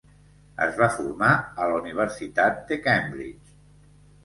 Es va formar a la Universitat de Cambridge.